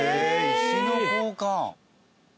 石の交換！